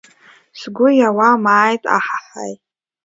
Сгәы иауам Ааит, аҳаҳаи!